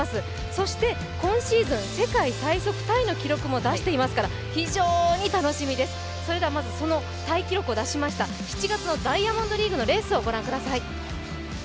そして今シーズン、世界最速タイの記録も出していますから非常に楽しみです、そのタイ記録を出しました、７月のダイヤモンドリーグのレースをご覧ください。